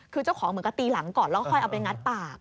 คือเจ้าของเหมือนกับตีหลังก่อนแล้วค่อยเอาไปงัดปาก